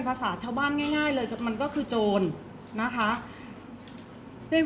เพราะว่าสิ่งเหล่านี้มันเป็นสิ่งที่ไม่มีพยาน